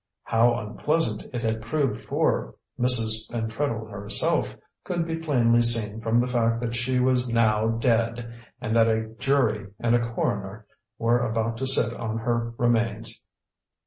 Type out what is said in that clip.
How unpleasant it had proved for Mrs. Pentreddle herself, could be plainly seen from the fact that she was now dead, and that a jury and a coroner were about to sit on her remains.